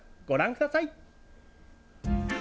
ご覧ください。